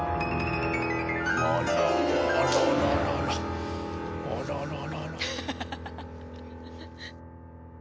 あららららあらららら。